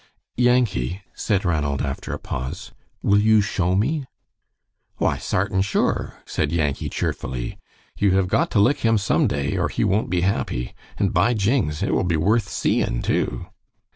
"Yankee," said Ranald, after a pause, "will you show me?" "Why, sartin sure," said Yankee, cheerfully. "You have got to lick him some day, or he won't be happy; and by jings! it will be worth seein', too."